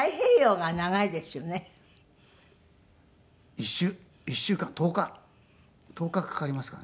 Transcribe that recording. １週１週間１０日１０日かかりますかね。